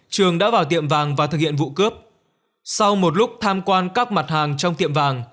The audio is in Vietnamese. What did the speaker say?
trường đã vào tiệm vàng và thực hiện vụ cướp sau một lúc tham quan các mặt hàng trong tiệm vàng